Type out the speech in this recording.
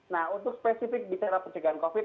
nah untuk spesifik bicara pencegahan covid